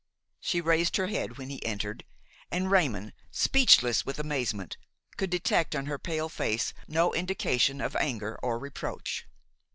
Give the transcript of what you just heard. She raised her head when he entered, and Raymon, speechless with amazement, could detect on her pale face no indication of anger or reproach.